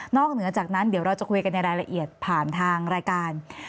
เหนือจากนั้นเดี๋ยวเราจะคุยกันในรายละเอียดผ่านทางรายการ